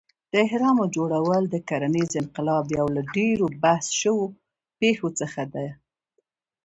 د اهرامو جوړول د کرنیز انقلاب یو له ډېرو بحث شوو پېښو څخه دی.